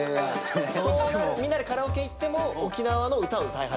みんなでカラオケ行っても沖縄の唄をうたい始める。